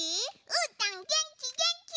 うーたんげんきげんき！